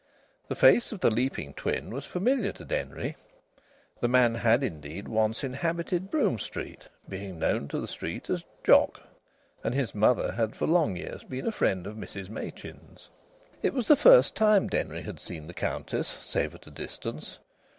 The face of the leaping twin was familiar to Denry. The man had, indeed, once inhabited Brougham Street, being known to the street as Jock, and his mother had for long years been a friend of Mrs Machin's. It was the first time Denry had seen the Countess, save at a distance.